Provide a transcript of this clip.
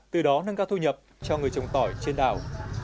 từ đó nâng cao thu nhập cho người trồng tỏi trên đảo